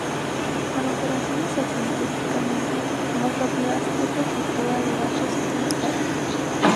Para operaciones asintóticamente más rápidas otra estructura de datos es necesaria.